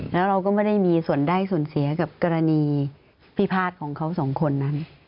แล้วเราก็ไม่ได้มีส่วนได้ส่วนเสียกับกรณีพิพาทของเขาสองคนนั้น